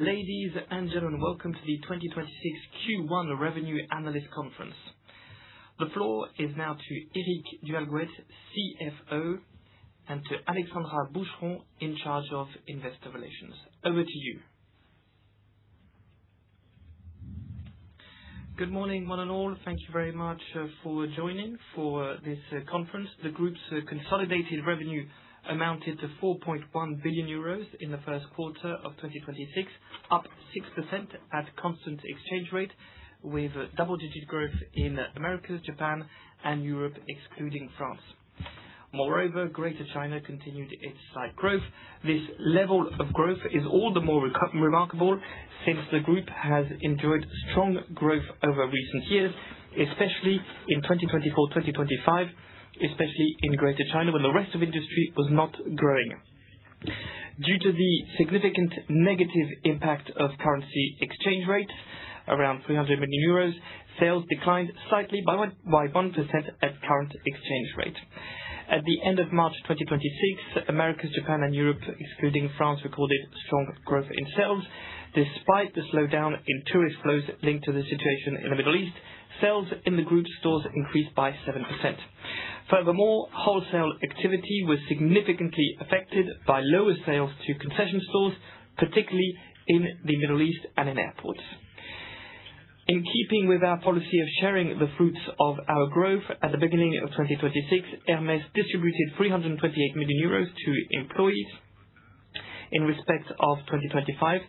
Ladies and gentlemen, welcome to the 2026 Q1 Revenue Analyst Conference. The floor is now to Eric du Halgouët, CFO, and to Alexandra Boucheron, in charge of Investor Relations. Over to you. Good morning, one and all. Thank you very much for joining for this conference. The Group's consolidated revenue amounted to 4.1 billion euros in the first quarter of 2026, up 6% at constant exchange rate with double-digit growth in Americas, Japan, and Europe, excluding France. Moreover, Greater China continued its slight growth. This level of growth is all the more remarkable since the Group has enjoyed strong growth over recent years, especially in 2024, 2025, especially in Greater China, when the rest of industry was not growing. Due to the significant negative impact of currency exchange rate, around 300 million euros, sales declined slightly by 1% at current exchange rate. At the end of March 2026, Americas, Japan and Europe, excluding France, recorded strong growth in sales. Despite the slowdown in tourist flows linked to the situation in the Middle East, sales in the group stores increased by 7%. Furthermore, wholesale activity was significantly affected by lower sales to concessionaire stores, particularly in the Middle East and in airports. In keeping with our policy of sharing the fruits of our growth, at the beginning of 2026, Hermès distributed 328 million euros to employees in respect of 2025.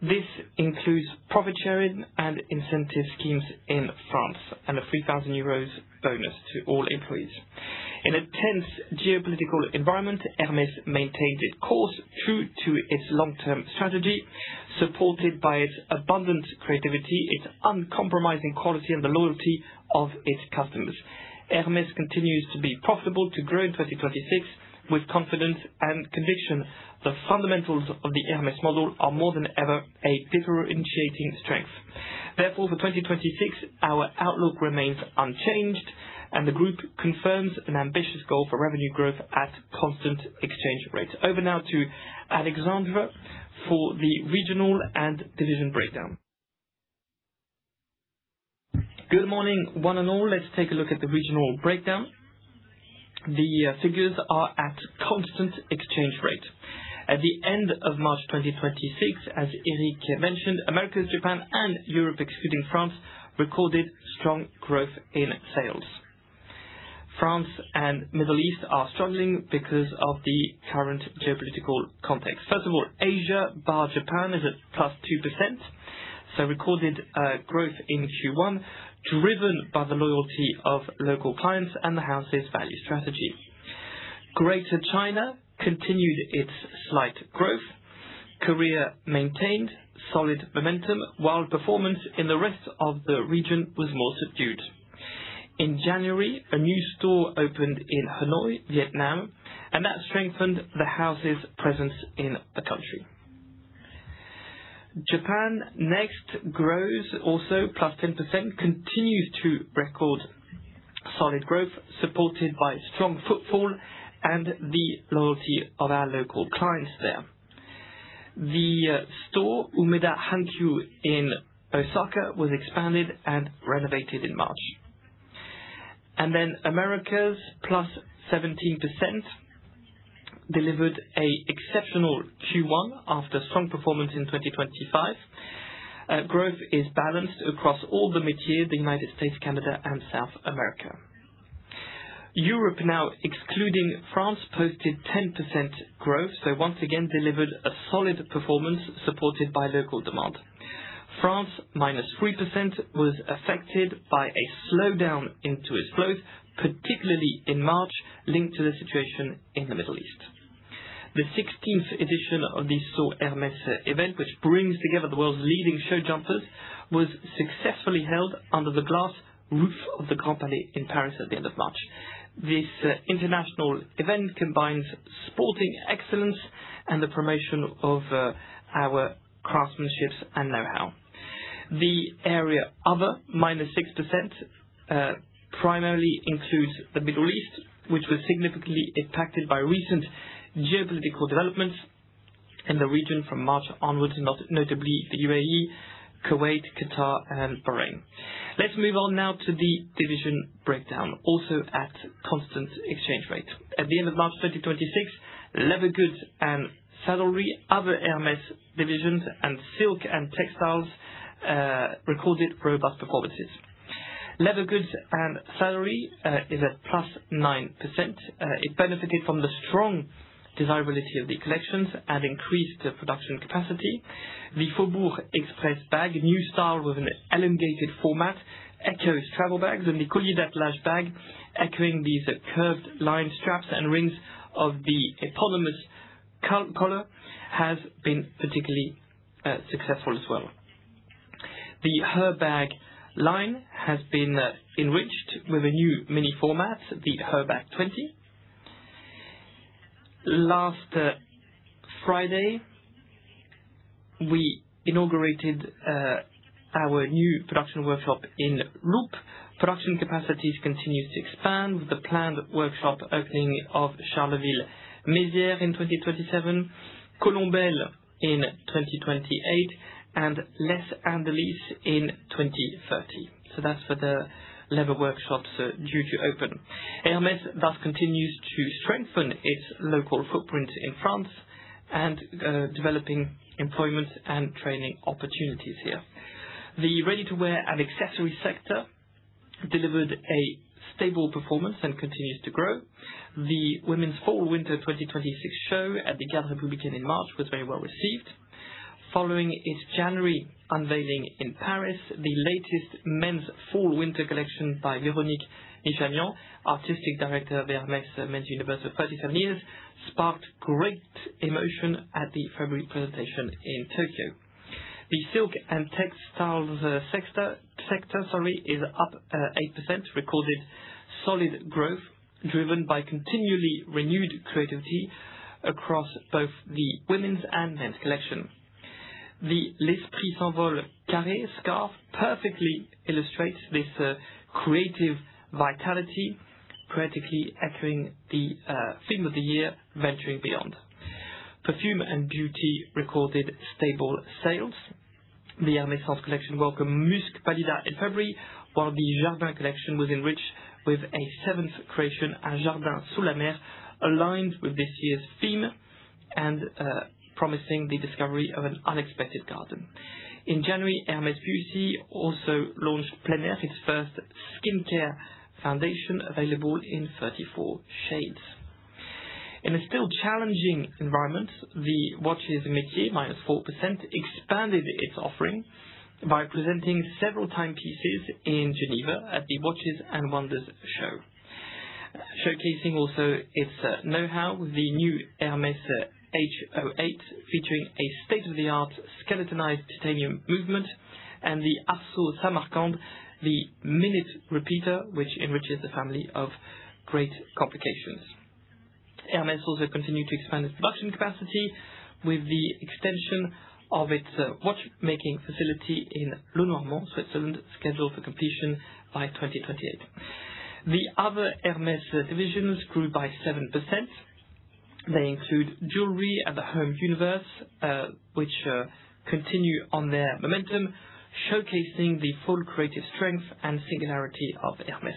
This includes profit sharing and incentive schemes in France, and a 3,000 euros bonus to all employees. In a tense geopolitical environment, Hermès maintains its course true to its long-term strategy, supported by its abundant creativity, its uncompromising quality, and the loyalty of its customers. Hermès continues to be profitable, to grow in 2026 with confidence and conviction. The fundamentals of the Hermès model are more than ever a differentiating strength. Therefore, for 2026, our outlook remains unchanged and the Group confirms an ambitious goal for revenue growth at constant exchange rates. Over now to Alexandra for the regional and division breakdown. Good morning, one and all. Let's take a look at the regional breakdown. The figures are at constant exchange rate. At the end of March 2026, as Eric mentioned, Americas, Japan, and Europe, excluding France, recorded strong growth in sales. France and Middle East are struggling because of the current geopolitical context. First of all, Asia, bar Japan, is at +2%, so recorded growth in Q1, driven by the loyalty of local clients and the House's value strategy. Greater China continued its slight growth. Korea maintained solid momentum while performance in the rest of the region was more subdued. In January, a new store opened in Hanoi, Vietnam, and that strengthened the house's presence in the country. Japan next grows also, +10%, continues to record solid growth supported by strong footfall and the loyalty of our local clients there. The store, Umeda Hankyu in Osaka, was expanded and renovated in March. Americas, +17%, delivered a exceptional Q1 after strong performance in 2025. Growth is balanced across all the markets, the United States, Canada and South America. Europe now, excluding France, posted 10% growth, so once again delivered a solid performance supported by local demand. France, -3%, was affected by a slowdown in tourist growth, particularly in March, linked to the situation in the Middle East. The 16th edition of the Saut Hermès event, which brings together the world's leading show jumpers, was successfully held under the glass roof of the Grand Palais in Paris at the end of March. This international event combines sporting excellence and the promotion of our craftsmanship and know-how. The area Other, -6%, primarily includes the Middle East, which was significantly impacted by recent geopolitical developments in the region from March onwards, notably the UAE, Kuwait, Qatar and Bahrain. Let's move on now to the division breakdown, also at constant exchange rate. At the end of March 2026, Leather Goods and Saddlery, Other Hermès Divisions, and Silk and Textiles recorded robust performances. Leather Goods and Saddlery is at +9%. It benefited from the strong desirability of the collections and increased production capacity. The Faubourg Express bag, a new style with an elongated format, echoes travel bags, and the Collier d'Attelage bag, echoing these curved line straps and rings of the eponymous collar, has been particularly successful as well. The Herbag line has been enriched with a new mini format, the Herbag 20. Last Friday, we inaugurated our new production workshop in Loupes. Production capacities continue to expand with the planned workshop opening of Charleville-Mézières in 2027, Colombelles in 2028, and Les Andelys in 2030. That's for the leather workshops due to open. Hermès thus continues to strengthen its local footprint in France and developing employment and training opportunities here. The Ready-to-wear and Accessories sector delivered a stable performance and continues to grow. The Women's Fall/Winter 2026 show at the Garde Républicaine in March was very well received. Following its January unveiling in Paris, the latest men's Fall/Winter collection by Véronique Nichanian, Artistic Director of Hermès Men's Universe for 37 years, sparked great emotion at the February presentation in Tokyo. The Silk and Textiles sector is up 8%, recorded solid growth, driven by continually renewed creativity across both the women's and men's collection. The L'esprit s'envole carre scarf perfectly illustrates this creative vitality, creatively echoing the theme of the year, venturing beyond. Perfume and Beauty recorded stable sales. The Hermès collection welcomed Musc Pallida in February, while the Jardin collection was enriched with a seventh creation, Un Jardin à Cythère, aligned with this year's theme and promising the discovery of an unexpected garden. In January, Hermès Beauty also launched Plein Air, its first skincare foundation, available in 34 shades. In a still challenging environment, we watches métier, -4%, expanded its offering by presenting several timepieces in Geneva at the Watches and Wonders show. Showcasing also its know-how, the new Hermès H08, featuring a state-of-the-art skeletonized titanium movement and the Arceau Samarcande, the minute repeater, which enriches the family of great complications. Hermès also continued to expand its production capacity with the extension of its watchmaking facility in Le Noirmont, Switzerland, scheduled for completion by 2028. The other Hermès divisions grew by 7%. They include jewelry and the home universe, which continue on their momentum, showcasing the full creative strength and singularity of Hermès.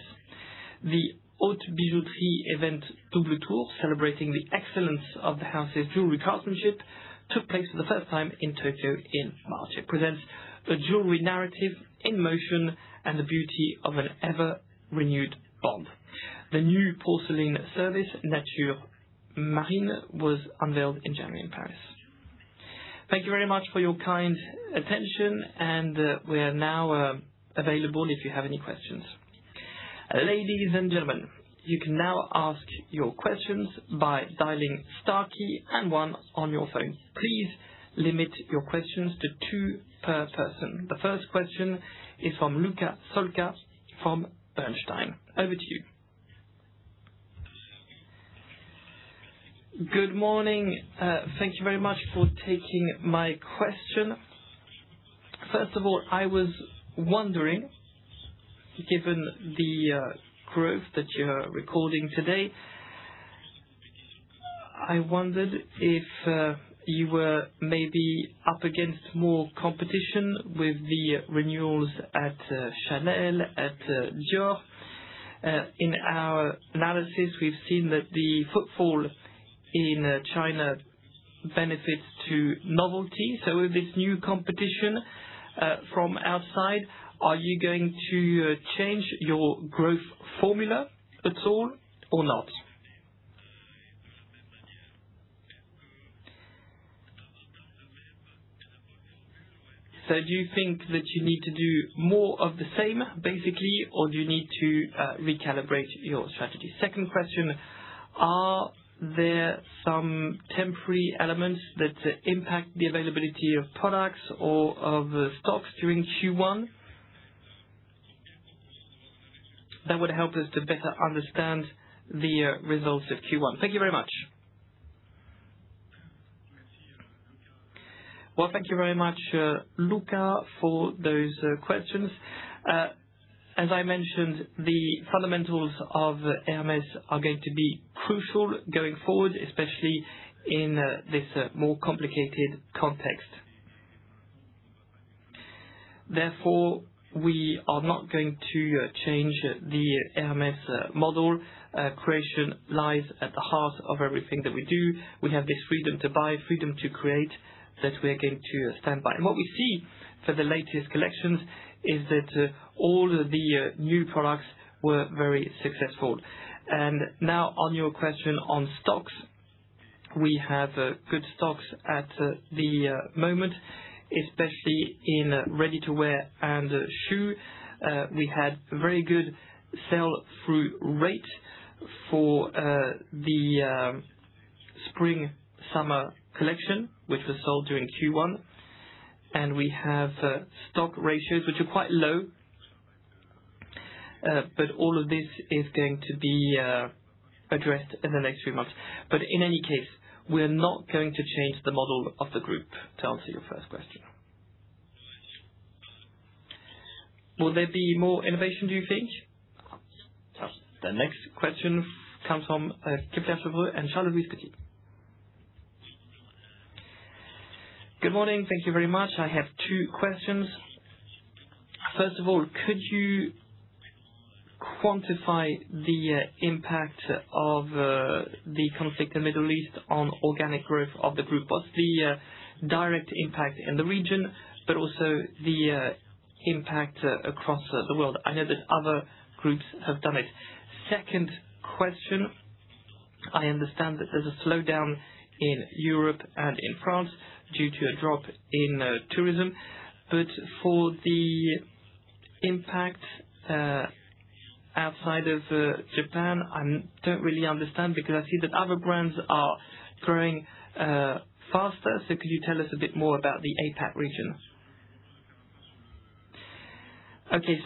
The Haute Bijouterie event, Double Tour, celebrating the excellence of the house's jewelry craftsmanship, took place for the first time in Tokyo in March. It presents a jewelry narrative in motion and the beauty of an ever-renewed bond. The new porcelain service, Natures Marines, was unveiled in January in Paris. Thank you very much for your kind attention, and we are now available if you have any questions. Ladies and gentlemen, you can now ask your questions by dialing star key and one on your phone. Please limit your questions to two per person. The first question is from Luca Solca from Bernstein. Over to you. Good morning. Thank you very much for taking my question. First of all, I was wondering, given the growth that you're recording today, I wondered if you were maybe up against more competition with the renewals at Chanel, at Dior. In our analysis, we've seen that the footfall in China benefits to novelty. With this new competition from outside, are you going to change your growth formula at all or not? Do you think that you need to do more of the same, basically, or do you need to recalibrate your strategy? Second question, are there some temporary elements that impact the availability of products or of stocks during Q1? That would help us to better understand the results of Q1. Thank you very much. Well, thank you very much, Luca, for those questions. As I mentioned, the fundamentals of Hermès are going to be crucial going forward, especially in this more complicated context. Therefore, we are not going to change the Hermès model. Creation lies at the heart of everything that we do. We have this freedom to buy, freedom to create, that we are going to stand by. What we see for the latest collections is that all the new products were very successful. Now on your question on stocks. We have good stocks at the moment, especially in Ready-to-wear and shoe. We had very good sell-through rate for the Spring/Summer collection, which was sold during Q1. We have stock ratios which are quite low. All of this is going to be addressed in the next few months. In any case, we're not going to change the model of the group, to answer your first question. Will there be more innovation, do you think? The next question comes from Kepler Cheuvreux and Charles-Louis Scotti. Good morning. Thank you very much. I have two questions. First of all, could you quantify the impact of the conflict in Middle East on organic growth of the group? What's the direct impact in the region, but also the impact across the world? I know that other groups have done it. Second question, I understand that there's a slowdown in Europe and in France due to a drop in tourism. For the impact outside of Japan, I don't really understand because I see that other brands are growing faster. Could you tell us a bit more about the APAC region? Okay.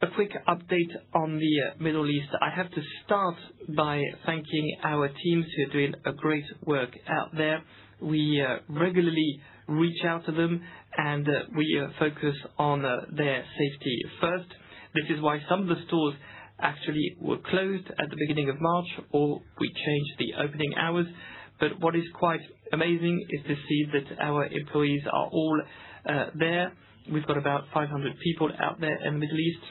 A quick update on the Middle East. I have to start by thanking our teams who are doing a great work out there. We regularly reach out to them, and we focus on their safety first. This is why some of the stores actually were closed at the beginning of March, or we changed the opening hours. What is quite amazing is to see that our employees are all there. We've got about 500 people out there in the Middle East,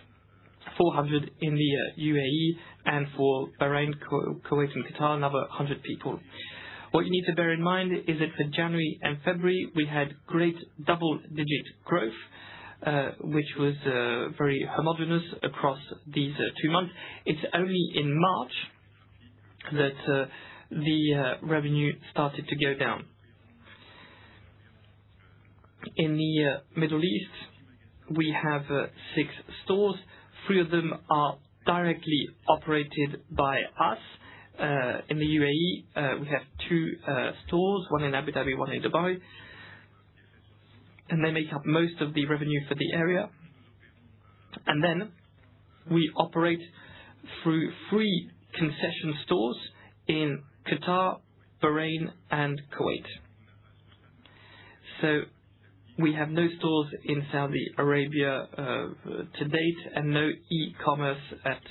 400 in the UAE, and for Bahrain, Kuwait, and Qatar, another 100 people. What you need to bear in mind is that for January and February, we had great double-digit growth, which was very homogeneous across these two months. It's only in March that the revenue started to go down. In the Middle East, we have six stores. Three of them are directly operated by us. In the UAE, we have two stores, one in Abu Dhabi, one in Dubai. They make up most of the revenue for the area. We operate through three concession stores in Qatar, Bahrain, and Kuwait. We have no stores in Saudi Arabia to date and no e-commerce at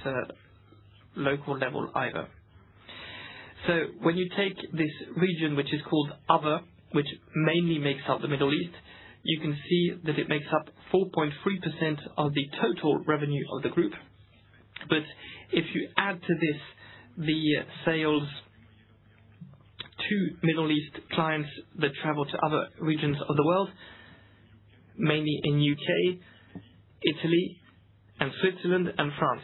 local level either. When you take this region, which is called Other, which mainly makes up the Middle East, you can see that it makes up 4.3% of the total revenue of the group. If you add to this the sales to Middle East clients that travel to other regions of the world, mainly in U.K., Italy, and Switzerland, and France,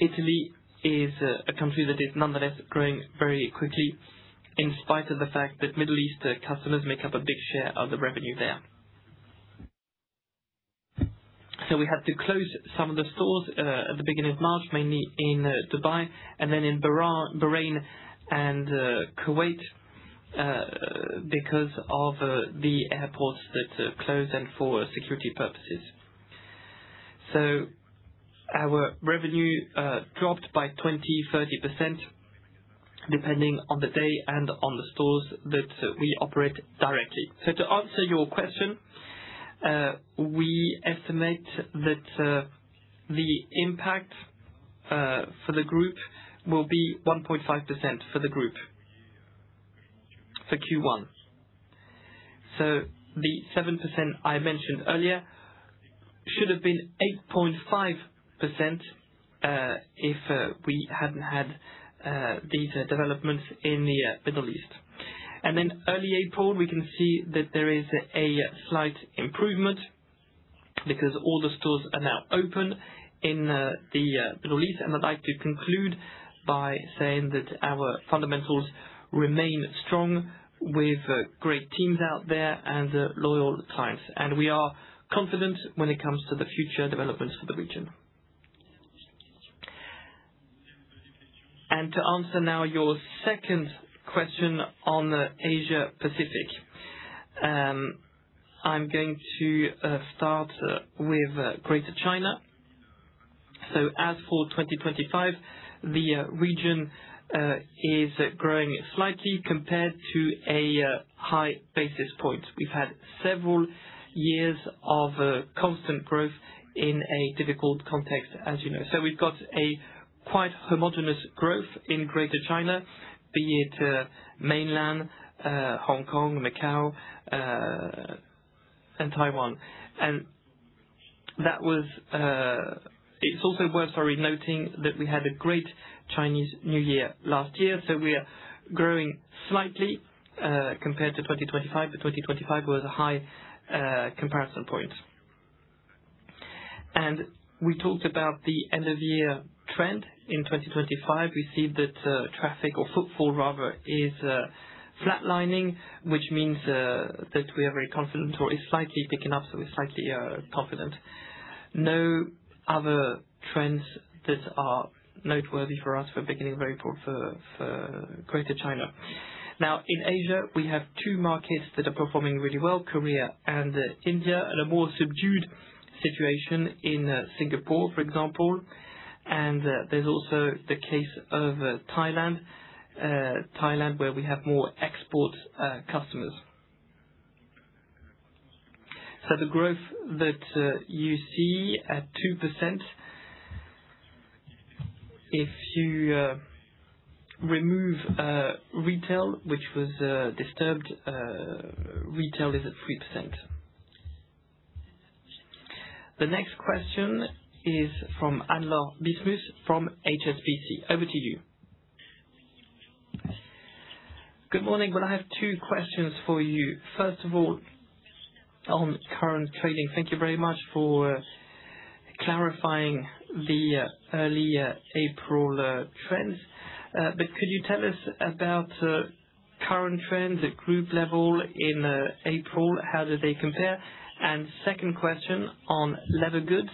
Italy is a country that is nonetheless growing very quickly, in spite of the fact that Middle East customers make up a big share of the revenue there. We had to close some of the stores, at the beginning of March, mainly in Dubai and then in Bahrain and Kuwait, because of the airports that closed and for security purposes. Our revenue dropped by 20%-30% depending on the day and on the stores that we operate directly. To answer your question, we estimate that the impact for the group will be 1.5% for the group for Q1. The 7% I mentioned earlier should have been 8.5%, if we hadn't had these developments in the Middle East. Early April, we can see that there is a slight improvement because all the stores are now open in the Middle East. I'd like to conclude by saying that our fundamentals remain strong with great teams out there and loyal clients. We are confident when it comes to the future developments for the region. To answer now your second question on the Asia Pacific, I'm going to start with Greater China. As for 2025, the region is growing slightly compared to a high basis point. We've had several years of constant growth in a difficult context, as you know. We've got a quite homogeneous growth in Greater China, be it Mainland, Hong Kong, Macau, and Taiwan. It's also worth noting that we had a great Chinese New Year last year, so we are growing slightly, compared to 2025, but 2025 was a high comparison point. We talked about the end-of-year trend in 2025. We see that traffic or footfall rather is flatlining, which means that it is very consistent or is slightly picking up. No other trends that are noteworthy for us for the beginning of the year for Greater China. Now, in Asia, we have two markets that are performing really well, Korea and India, and a more subdued situation in Singapore, for example. There's also the case of Thailand, where we have more export customers. The growth that you see at 2%, if you remove retail, which was disturbed, retail is at 3%. The next question is from Anne-Laure Bismuth from HSBC. Over to you. Good morning. Well, I have two questions for you. First of all, on current trading, thank you very much for clarifying the early April trends. Could you tell us about current trends at Group level in April? How do they compare? Second question on Leather Goods.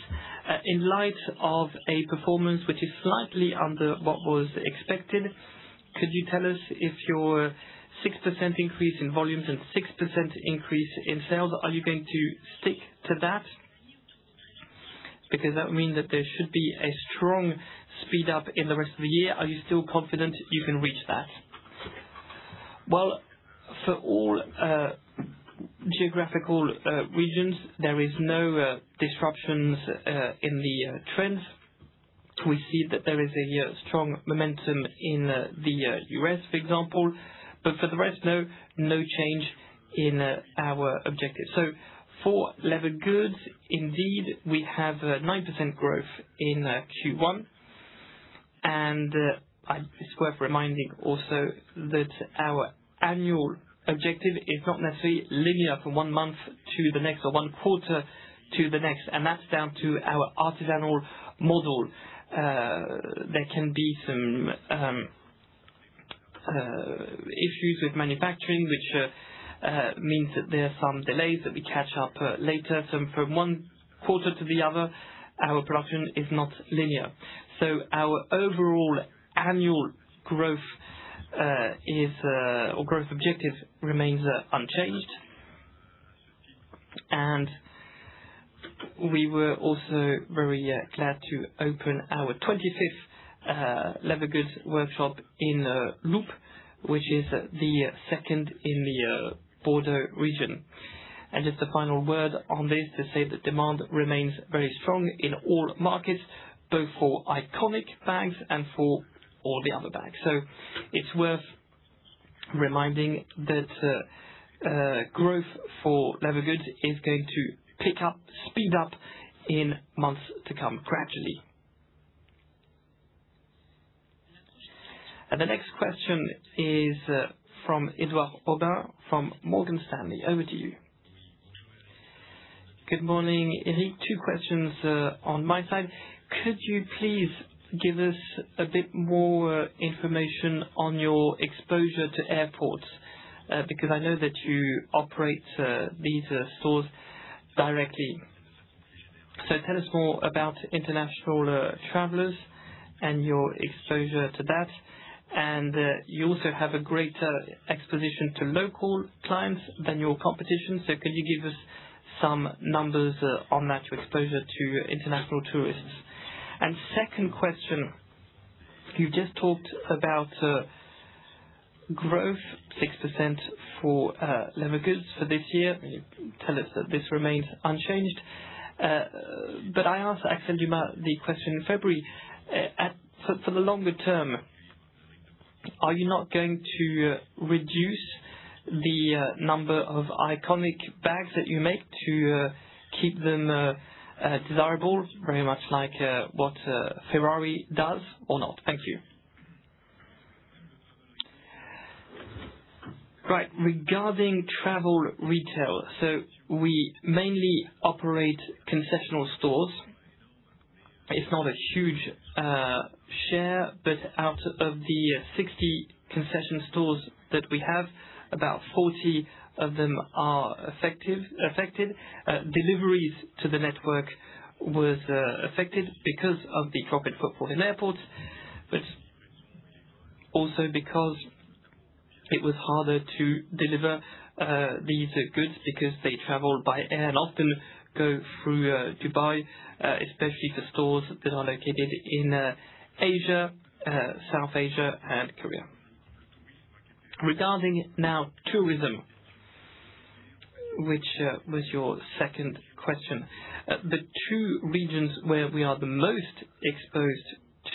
In light of a performance which is slightly under what was expected, could you tell us if your 6% increase in volumes and 6% increase in sales, are you going to stick to that? Because that would mean that there should be a strong speed up in the rest of the year. Are you still confident you can reach that? Well, for all geographical regions, there is no disruptions in the trends. We see that there is a strong momentum in the U.S., for example, but for the rest, no change in our objective. For Leather Goods, indeed, we have 9% growth in Q1. It's worth reminding also that our annual objective is not necessarily linear from one month to the next or one quarter to the next, and that's down to our artisanal model. There can be some issues with manufacturing, which means that there are some delays that we catch up later. From one quarter to the other, our production is not linear. Our overall annual growth objective remains unchanged. We were also very glad to open our 25th Leather Goods workshop in Loupes, which is the second in the Bordeaux region. Just a final word on this to say that demand remains very strong in all markets, both for iconic bags and for all the other bags. It's worth reminding that growth for Leather Goods is going to pick up, speed up in months to come gradually. The next question is from Edouard Aubin from Morgan Stanley. Over to you. Good morning, Eric. Two questions on my side. Could you please give us a bit more information on your exposure to airports? Because I know that you operate these stores directly. Tell us more about international travelers and your exposure to that. You also have a greater exposure to local clients than your competition. Could you give us some numbers on that exposure to international tourists? Second question, you just talked about growth 6% for Leather Goods for this year. You tell us that this remains unchanged. I asked Axel Dumas the question in February, for the longer term, are you not going to reduce the number of iconic bags that you make to keep them desirable? Very much like what Ferrari does or not. Thank you. Right. Regarding travel retail. We mainly operate concession stores. It's not a huge share, but out of the 60 concession stores that we have, about 40 of them are affected. Deliveries to the network was affected because of the drop in footfall in airports, but also because it was harder to deliver these goods because they travel by air and often go through Dubai, especially for stores that are located in Asia, South Asia and Korea. Regarding now tourism, which was your second question. The two regions where we are the most exposed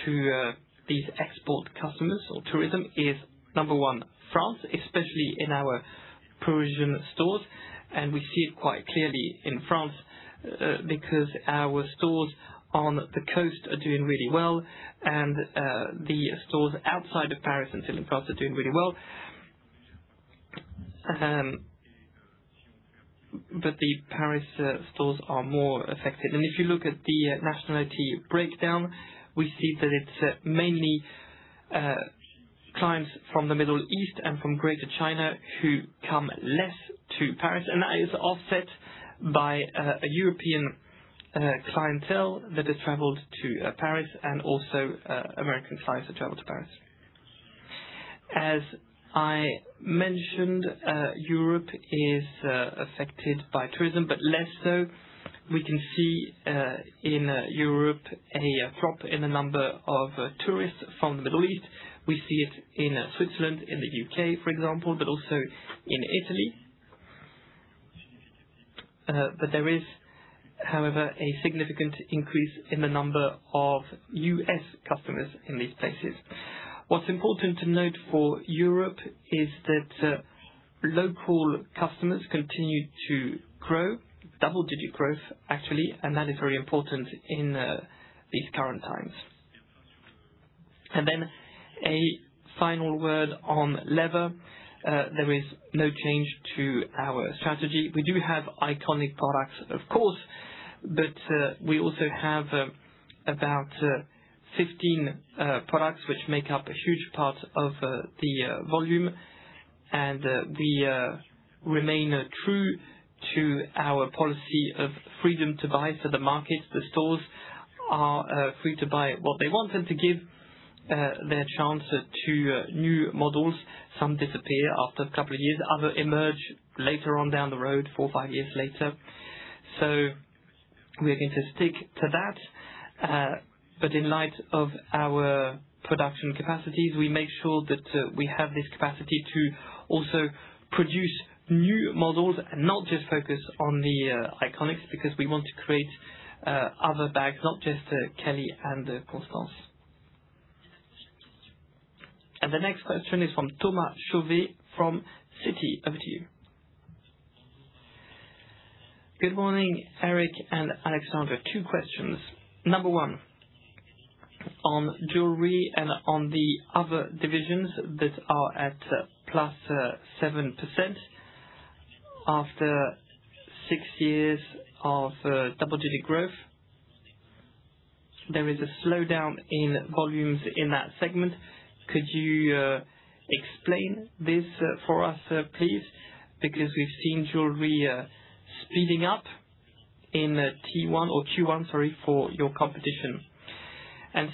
to these export customers or tourism is number one, France, especially in our Parisian stores. We see it quite clearly in France because our stores on the coast are doing really well and the stores outside of Paris and Saint-Cloud are doing really well. The Paris stores are more affected. If you look at the nationality breakdown, we see that it's mainly clients from the Middle East and from Greater China who come less to Paris, and that is offset by a European clientele that has traveled to Paris and also American clients who travel to Paris. As I mentioned, Europe is affected by tourism, but less so. We can see in Europe a drop in the number of tourists from the Middle East. We see it in Switzerland, in the U.K., for example, but also in Italy. There is, however, a significant increase in the number of U.S. customers in these places. What's important to note for Europe is that local customers continue to grow, double-digit growth, actually, and that is very important in these current times. A final word on leather, there is no change to our strategy. We do have iconic products, of course, but we also have about 15 products which make up a huge part of the volume, and we remain true to our policy of freedom to buy for the markets. The stores are free to buy what they want and to give their chance to new models. Some disappear after a couple of years. Others emerge later on down the road, four, five years later. We're going to stick to that. In light of our production capacities, we make sure that we have this capacity to also produce new models and not just focus on the iconics, because we want to create other bags, not just the Kelly and the Constance. The next question is from Thomas Chauvet from Citi. Over to you. Good morning, Eric and Alexandra. Two questions. Number one, on jewelry and on the other divisions that are at +7%. After six years of double-digit growth, there is a slowdown in volumes in that segment. Could you explain this for us, please, because we've seen jewelry speeding up in Q1 for your competition?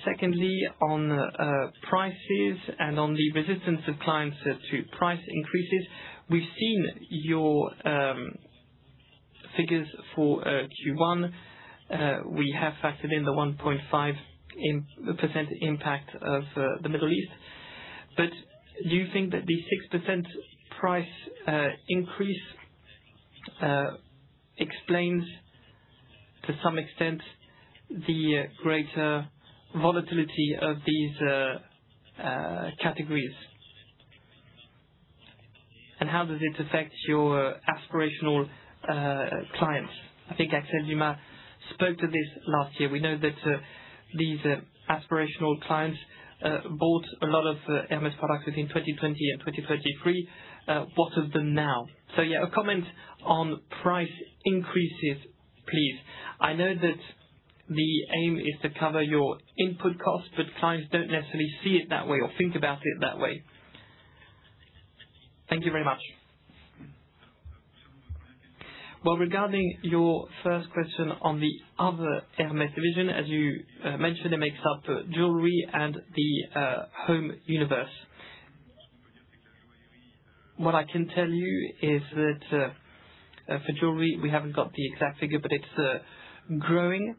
Secondly, on prices and on the resistance of clients to price increases, we've seen your figures for Q1. We have factored in the 1.5% impact of the Middle East. Do you think that the 6% price increase explains, to some extent, the greater volatility of these categories? How does it affect your aspirational clients? I think Axel Dumas spoke to this last year. We know that these aspirational clients bought a lot of Hermès products between 2020 and 2023. What of them now? Yeah, a comment on price increases, please. I know that the aim is to cover your input cost, but clients don't necessarily see it that way or think about it that way. Thank you very much. Well, regarding your first question on the Other Hermès division, as you mentioned, it makes up jewelry and the home universe. What I can tell you is that for Jewelry, we haven't got the exact figure, but it's growing,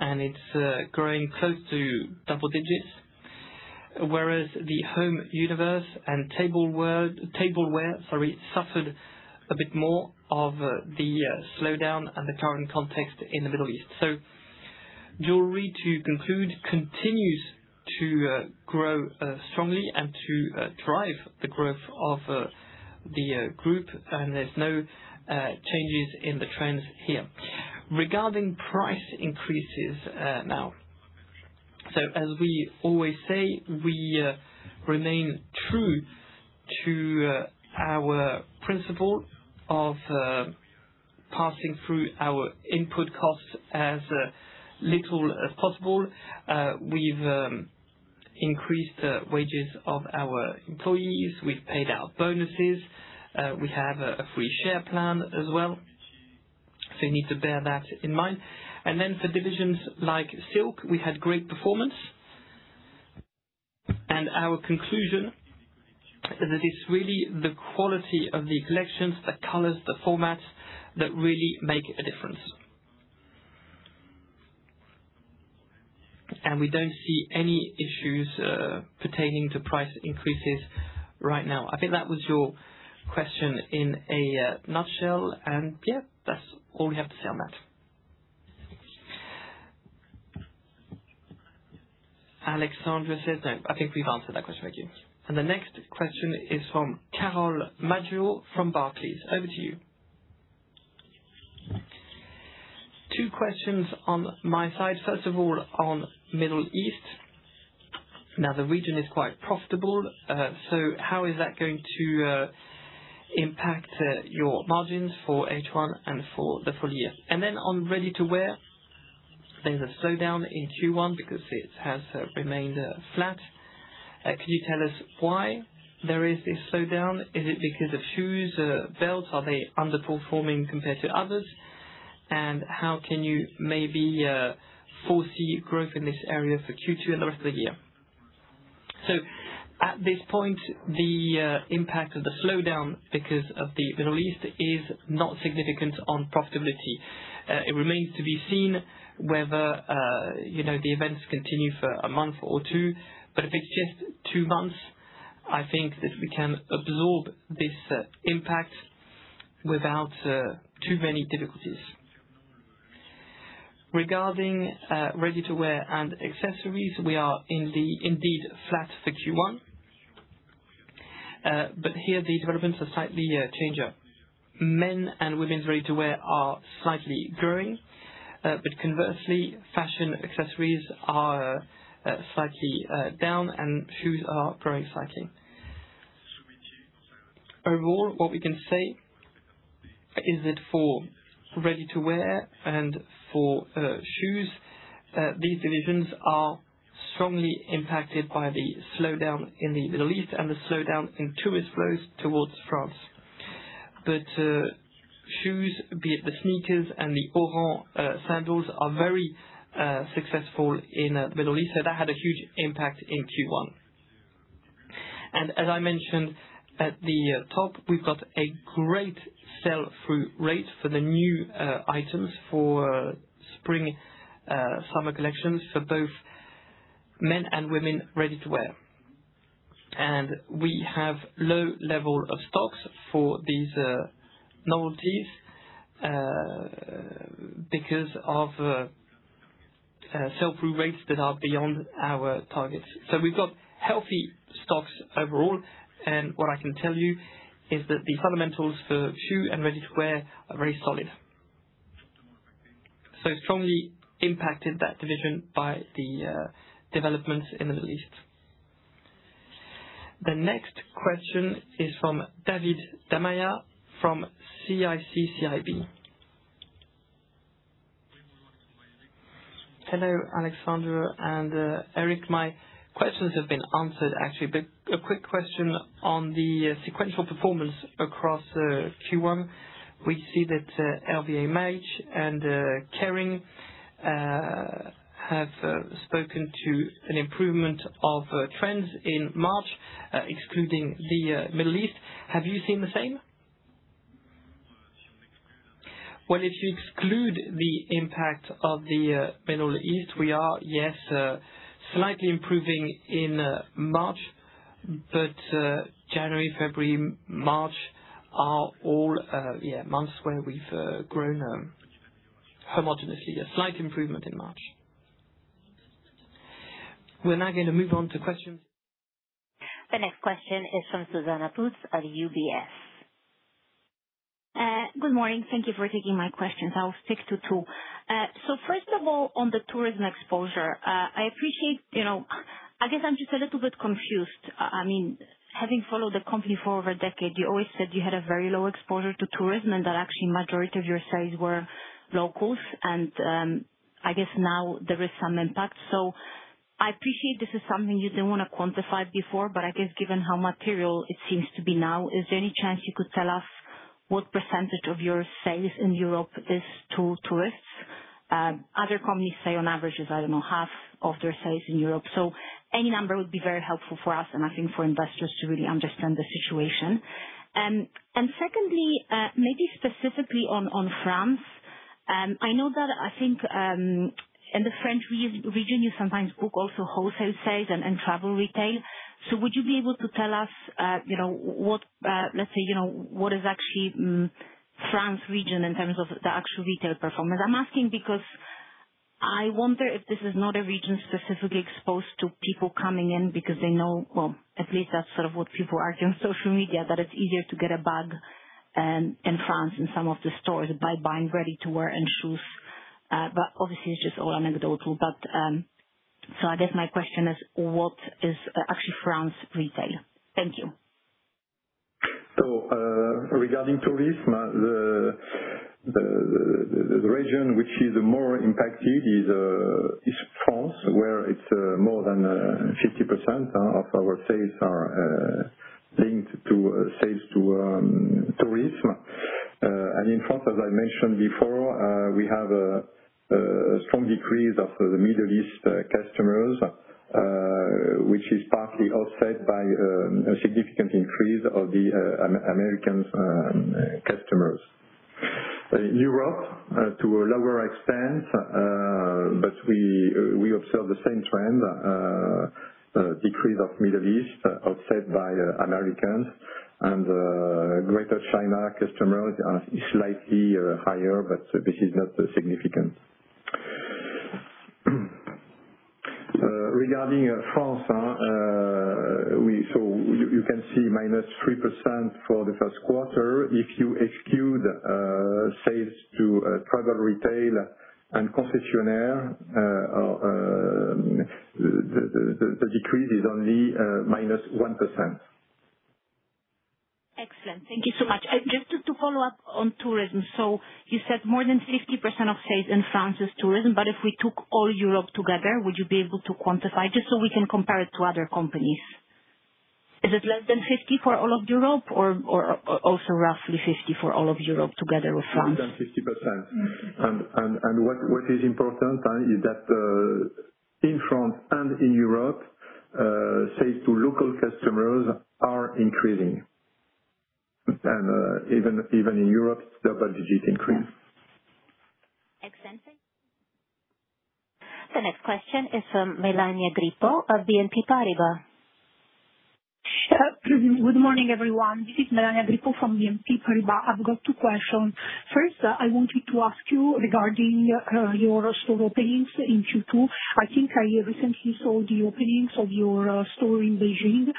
and it's growing close to double digits, whereas the Home universe and Tableware suffered a bit more of the slowdown and the current context in the Middle East. Jewelry, to conclude, continues to grow strongly and to drive the growth of the Group, and there's no changes in the trends here. Regarding price increases now. As we always say, we remain true to our principle of passing through our input costs as little as possible. We've increased the wages of our employees. We've paid out bonuses. We have a free share plan as well. You need to bear that in mind. For divisions like Silk, we had great performance. Our conclusion is that it's really the quality of the collections, the colors, the formats that really make a difference. We don't see any issues pertaining to price increases right now. I think that was your question in a nutshell, and yeah, that's all we have to say on that. Alexandra says no. I think we've answered that question. The next question is from Carole Madjo from Barclays. Over to you. I have two questions on my side. First of all, on Middle East. Now, the region is quite profitable, so how is that going to impact your margins for H1 and for the full year? On Ready-to-wear. There's a slowdown in Q1 because it has remained flat. Can you tell us why there is this slowdown? Is it because of shoes sales? Are they underperforming compared to others? How can you maybe foresee growth in this area for Q2 and the rest of the year? At this point, the impact of the slowdown because of the Middle East is not significant on profitability. It remains to be seen whether the events continue for a month or two, but if it's just two months, I think that we can absorb this impact without too many difficulties. Regarding Ready-to-wear and Accessories, we are indeed flat for Q1. Here the developments are slightly change up. Men and women's ready-to-wear are slightly growing, but conversely, fashion accessories are slightly down and shoes are growing slightly. Overall, what we can say is that for ready-to-wear and for shoes, these divisions are strongly impacted by the slowdown in the Middle East and the slowdown in tourist flows towards France. Shoes, be it the sneakers and the Oran sandals, are very successful in the Middle East. That had a huge impact in Q1. As I mentioned at the top, we've got a great sell-through rate for the new items for spring, summer collections for both men and women Ready-to-wear. We have low level of stocks for these novelties because of sell-through rates that are beyond our targets. We've got healthy stocks overall, and what I can tell you is that the fundamentals for shoe and Ready-to-wear are very solid. Strongly impacted that division by the developments in the Middle East. The next question is from David Da Maia from CIC CIB. Hello, Alexandra and Eric. My questions have been answered actually, but a quick question on the sequential performance across Q1. We see that LVMH and Kering have spoken to an improvement of trends in March, excluding the Middle East. Have you seen the same? Well, if you exclude the impact of the Middle East, we are, yes, slightly improving in March, but January, February, March are all months where we've grown homogeneously. A slight improvement in March. We're now going to move on to questions. The next question is from Zuzanna Pusz at UBS. Good morning. Thank you for taking my questions. I'll stick to two. First of all, on the tourism exposure, I appreciate, I guess I'm just a little bit confused. Having followed the company for over a decade, you always said you had a very low exposure to tourism, and that actually majority of your sales were locals, and I guess now there is some impact. I appreciate this is something you didn't want to quantify before, but I guess given how material it seems to be now, is there any chance you could tell us what percentage of your sales in Europe is to tourists? Other companies say on average is, I don't know, half of their sales in Europe. Any number would be very helpful for us and I think for investors to really understand the situation. Secondly, maybe specifically on France, I know that, I think, in the French region, you sometimes book also wholesale sales and travel retail. Would you be able to tell us what is actually France region in terms of the actual retail performance? I'm asking because I wonder if this is not a region specifically exposed to people coming in because they know, well, at least that's sort of what people argue on social media, that it's easier to get a bag in France in some of the stores by buying Ready-to-wear and shoes. Obviously, it's just all anecdotal. I guess my question is, what is actually France retail? Thank you. Regarding tourism, the region which is more impacted is France, where more than 50% of our sales are linked to sales to tourism. In France, as I mentioned before, we have a strong decrease of the Middle East customers, which is partly offset by a significant increase of the American customers. In Europe, to a lower extent, but we observe the same trend, a decrease of Middle East offset by Americans, and Greater China customers are slightly higher, but this is not significant. Regarding France, you can see -3% for the first quarter. If you exclude sales to travel retail and concessionaire, the decrease is only -1%. Excellent. Thank you so much. Just to follow up on tourism, you said more than 50% of sales in France is tourism. If we took all Europe together, would you be able to quantify just so we can compare it to other companies? Is it less than 50% for all of Europe or also roughly 50% for all of Europe together with France? More than 50%. What is important is that in France and in Europe, sales to local customers are increasing. Even in Europe, double-digit increase. Excellent. The next question is from Melania Grippo of BNP Paribas. Good morning, everyone. This is Melania Grippo from BNP Paribas. I've got two questions. First, I wanted to ask you regarding your store openings in Q2. I think I recently saw the openings of your store in Beijing.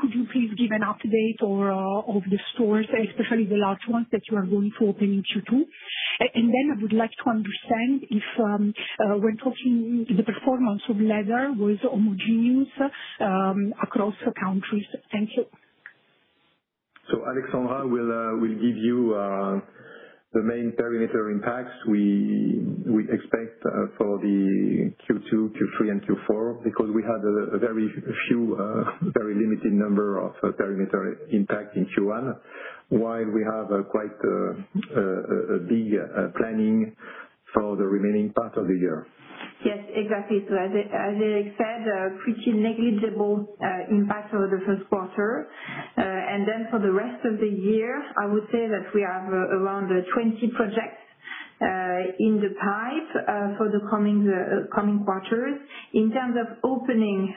Could you please give an update of the stores, especially the large ones that you are going to open in Q2? I would like to understand if, when talking the performance of leather was homogeneous across countries. Thank you. Alexandra will give you the main perimeter impacts we expect for the Q2, Q3, and Q4 because we had a very limited number of perimeter impact in Q1 while we have quite a big planning for the remaining part of the year. Yes, exactly. As Eric said, pretty negligible impact for the first quarter. For the rest of the year, I would say that we have around 20 projects in the pipe for the coming quarters. In terms of opening,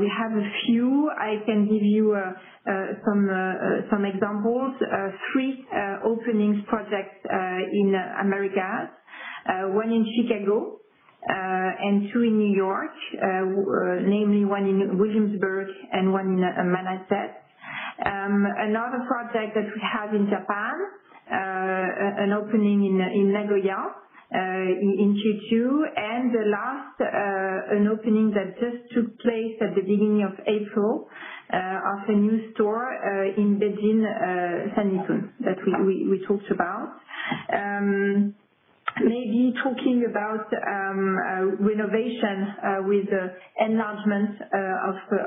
we have a few. I can give you some examples. Three openings projects in Americas, one in Chicago and two in New York, namely one in Williamsburg and one in Manhasset. Another project that we have in Japan, an opening in Nagoya, in Q2. The last, an opening that just took place at the beginning of April, of a new store in Beijing Sanlitun that we talked about. Maybe talking about renovation with enlargement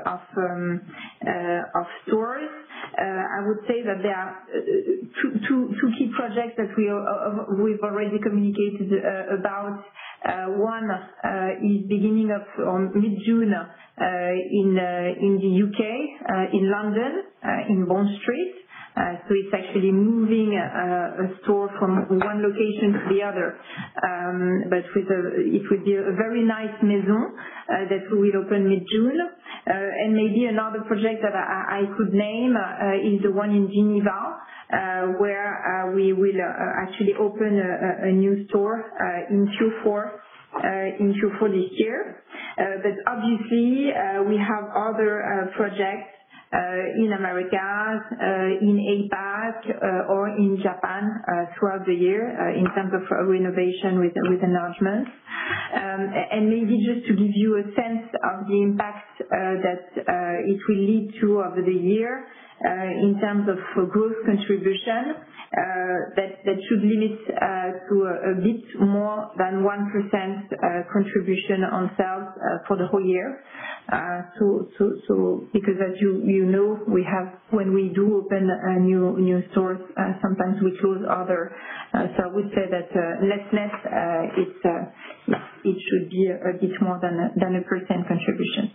of stores, I would say that there are two key projects that we've already communicated about. One is beginning of mid-June in the U.K., in London, in Bond Street. It's actually moving a store from one location to the other. It will be a very nice maison that we will open mid-June. Maybe another project that I could name is the one in Geneva, where we will actually open a new store in Q4 this year. Obviously, we have other projects in Americas, in APAC, or in Japan throughout the year in terms of renovation with enlargement. Maybe just to give you a sense of the impact that it will lead to over the year, in terms of growth contribution, that should limit to a bit more than one % contribution on sales for the whole year. Because as you know, when we do open a new store, sometimes we close other. I would say that less, it should be a bit more than a % contribution.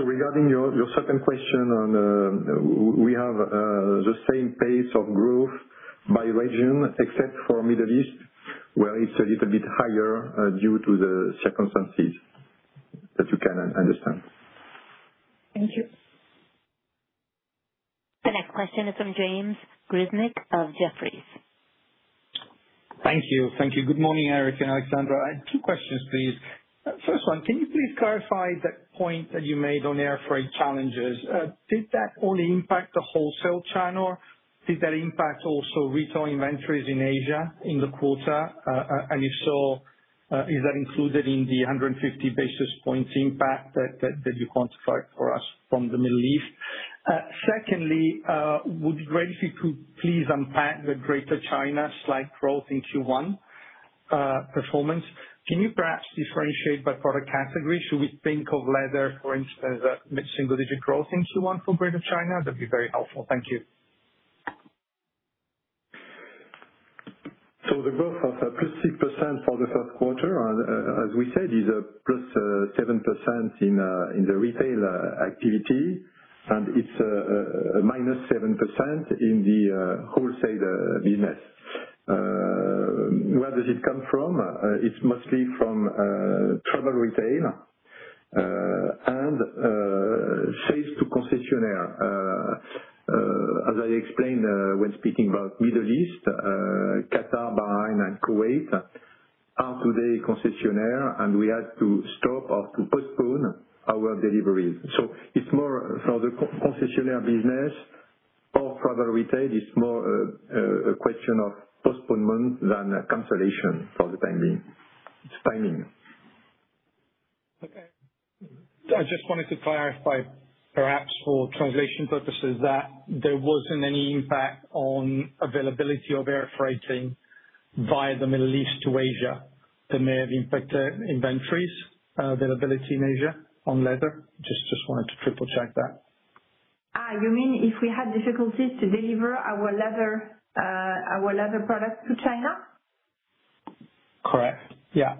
Regarding your second question, we have the same pace of growth by region, except for Middle East, where it's a little bit higher due to the circumstances that you can understand. Thank you. The next question is from James Grzinic of Jefferies. Thank you. Good morning, Eric and Alexandra. I had two questions, please. First one, can you please clarify the point that you made on air freight challenges? Did that only impact the wholesale channel? Did that impact also retail inventories in Asia in the quarter? If so, is that included in the 150 basis points impact that you quantified for us from the Middle East? Secondly, it would be great if you could please unpack the Greater China slight growth in Q1 performance. Can you perhaps differentiate by product category? Should we think of leather, for instance, mid-single-digit growth in Q1 from Greater China? That'd be very helpful. Thank you. The growth of +6% for the first quarter, as we said, is +7% in the retail activity, and it's -7% in the wholesale business. Where does it come from? It's mostly from travel retail and sales to concessionaire. As I explained when speaking about Middle East, Qatar, Bahrain, and Kuwait are today concessionaire, and we had to stop or to postpone our deliveries. It's more for the concessionaire business or travel retail, it's more a question of postponement than a cancellation for the time being. It's timing. Okay. I just wanted to clarify, perhaps for translation purposes, that there wasn't any impact on availability of air freighting via the Middle East to Asia that may have impacted inventories availability in Asia on leather. I just wanted to triple-check that. You mean if we had difficulties to deliver our leather product to China? Correct. Yeah.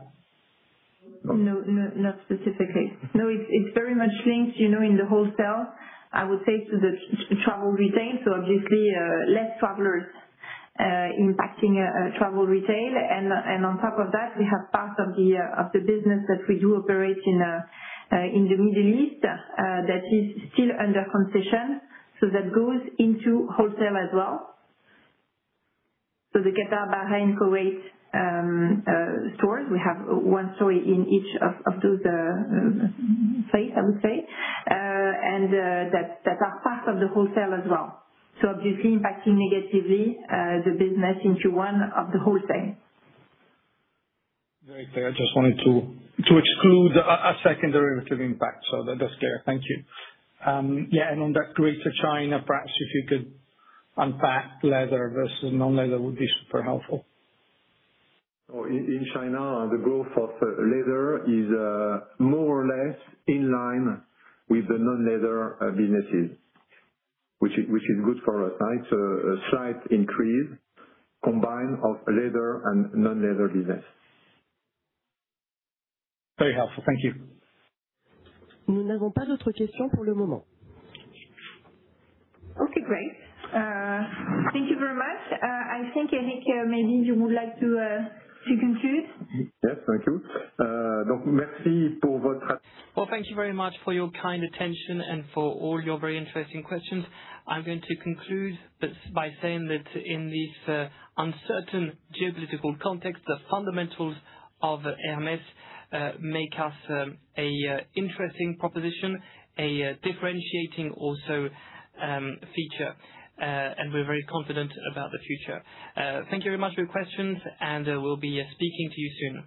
No, not specifically. No, it's very much linked in the wholesale, I would say, to the travel retail, so obviously less travelers impacting travel retail. On top of that, we have part of the business that we do operate in the Middle East, that is still under concession. That goes into wholesale as well. The Qatar, Bahrain, Kuwait stores, we have one store in each of those places, I would say, and that are part of the wholesale as well. Obviously impacting negatively, the business into one of the wholesale. Very clear. I just wanted to exclude a second derivative impact, so that's clear. Thank you. Yeah, on that route to China, perhaps if you could unpack leather versus non-leather would be super helpful. In China, the growth of leather is more or less in line with the non-leather businesses, which is good for us. It's a slight increase combined of leather and non-leather business. Very helpful. Thank you. Okay, great. Thank you very much. I think, Eric du Halgouët, maybe you would like to conclude? Yes, thank you. Well, thank you very much for your kind attention and for all your very interesting questions. I'm going to conclude by saying that in this uncertain geopolitical context, the fundamentals of Hermès make us a interesting proposition, a differentiating also feature, and we're very confident about the future. Thank you very much for your questions, and we'll be speaking to you soon.